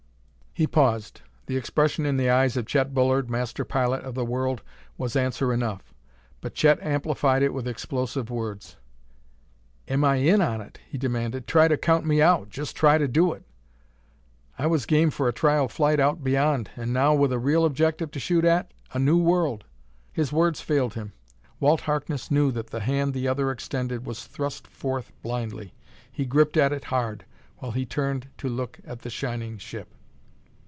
He paused. The expression in the eyes of Chet Bullard, master pilot of the world, was answer enough. But Chet amplified it with explosive words. "Am I in on it?" he demanded. "Try to count me out just try to do it! I was game for a trial flight out beyond. And now, with a real objective to shoot at a new world " His words failed him. Walt Harkness knew that the hand the other extended was thrust forth blindly; he gripped at it hard, while he turned to look at the shining ship.